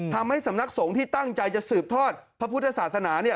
ทำให้สำนักสงฆ์ที่ตั้งใจจะสืบทอดพระพุทธศาสนาเนี่ย